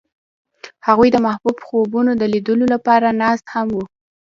هغوی د محبوب خوبونو د لیدلو لپاره ناست هم وو.